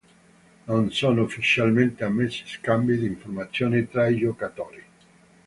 Non sono ufficialmente ammessi scambi di informazioni tra i giocatori.